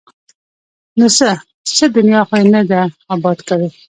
ـ نو څه؟ څه دنیا خو یې نه ده اباد کړې!